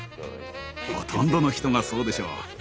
ほとんどの人がそうでしょう。